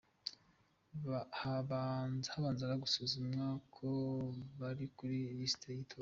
Habanzaga gusuzumwa ko bari kuri lisiti y’itora.